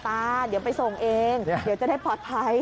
เดี๋ยวไปส่งเองเดี๋ยวจะได้ปลอดภัย